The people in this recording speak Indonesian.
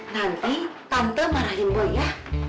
nanti tante marahin boy ya